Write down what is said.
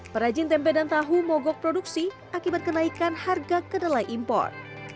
perajin tempe dan tahu mogok produksi akibat kenaikan harga kedelai impor